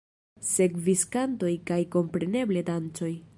Sekvis kantoj kaj kompreneble dancoj.